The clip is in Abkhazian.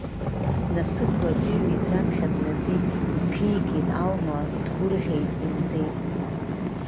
Насыԥла дыҩит, раԥхьа днаӡеит, иаԥигеит Алма, дгәырӷьеит, имӡеит.